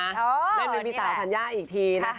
นั่นเป็นพี่สาวธัญญาอีกทีนะคะ